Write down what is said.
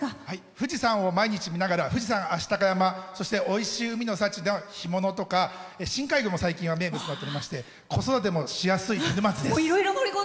富士山を毎日見ながら富士山、愛鷹山そして、おいしい海の幸干物とか深海魚も最近は名物になっていまして子育てもしやすい沼津です。